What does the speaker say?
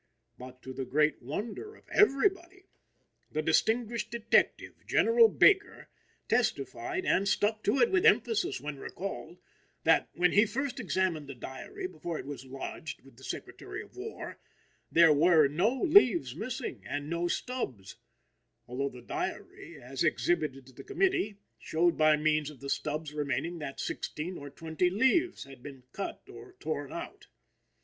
But, to the great wonder of everybody, the distinguished detective, General Baker, testified, and stuck to it with emphasis when recalled, that, when he first examined the diary before it was lodged with the Secretary of War, there were no leaves missing and no stubs, although the diary, as exhibited to the committee, showed by means of the stubs remaining that sixteen or twenty leaves had been cut or torn out.